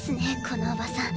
このおばさん。